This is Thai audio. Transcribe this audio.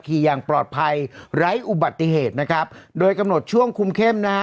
ขี่อย่างปลอดภัยไร้อุบัติเหตุนะครับโดยกำหนดช่วงคุมเข้มนะฮะ